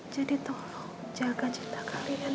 tolong jaga cinta kalian